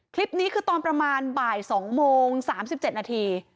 คลิปนี้คือตอนประมาณบ่าย๒โมง๓๗นาที